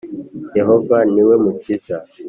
Yehova niwe mukiza .